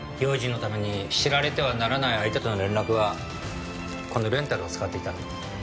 用心のために知られてはならない相手との連絡はこのレンタルを使っていた。